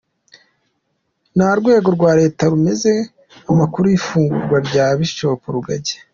Nta rwego rwa Leta ruremeza amakuru y’ ifungurwa rya Bishop Rugagi.